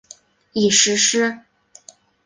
已实施。